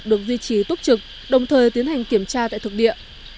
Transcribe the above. các lực lượng chữa cháy tiếp tục được duy trì tốt trực đồng thời tiến hành kiểm tra tại thực địa